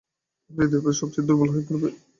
আর এই ধাপেই তোমরা সবচেয়ে দুর্বল হয়ে পড়বে।